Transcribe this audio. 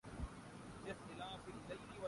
علم کے مزاج میں خلوت پسندی ہے۔